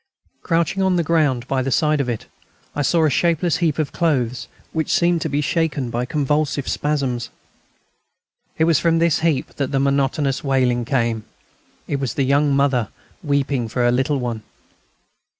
Crouching on the ground by the side of it, I saw a shapeless heap of clothes which seemed to be shaken by convulsive spasms. It was from this heap that the monotonous wailing came. It was the young mother, weeping for her little one.